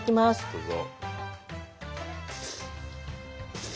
どうぞ。